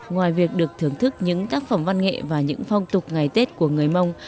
ngoài việc được thưởng thức những tác phẩm văn nghệ và những phong tục ngày tết của người mông